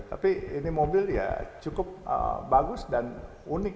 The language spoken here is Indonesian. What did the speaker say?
tapi ini mobil ya cukup bagus dan unik